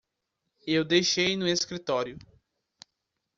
Eu deixei no escritório.